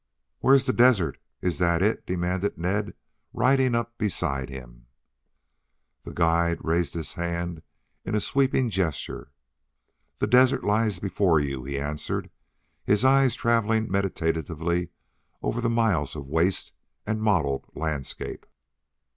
"Where's the desert is that it?" demanded Ned, riding up beside him. The guide raised his hand in a sweeping gesture. "The desert lies before you," he answered, his eyes traveling meditatively over the miles of waste and mottled landscape.